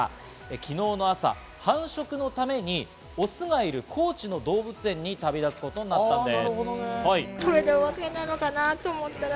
昨日の朝、繁殖のためにオスがいる高知の動物園に旅立つことになったんです。